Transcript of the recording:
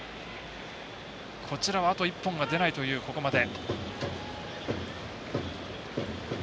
こちらはあと一本が出ないというここまで。